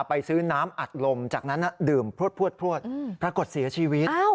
ไปซื้อน้ำอัดลมจากนั้นดื่มพลวดปรากฏเสียชีวิต